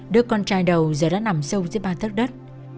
đứa con trai đầu giờ đã nằm sâu dưới ba tấc đất